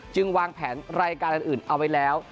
วางแผนรายการอื่นเอาไว้แล้ว